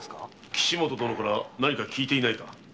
岸本殿から何か聞いていないか？